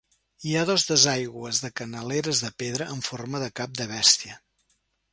Hi ha dos desaigües de canaleres de pedra amb forma de cap de bèstia.